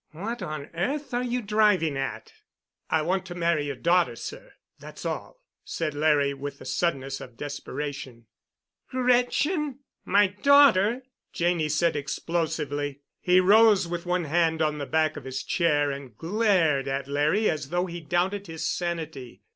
"What on earth are you driving at?" "I want to marry your daughter, sir, that's all," said Larry with the suddenness of desperation. "Gretchen? My daughter?" Janney said, explosively. He rose, with one hand on the back of his chair, and glared at Larry as though he doubted his sanity.